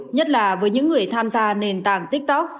nhất là với những người tham gia nền tảng tiktok